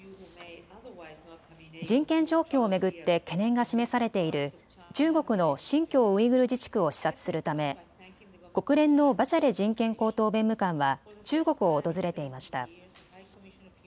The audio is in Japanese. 人権状況を巡って懸念が示されている中国の新疆ウイグル自治区を視察するため国連のバチェレ人権高等弁務官は中国を訪れていました。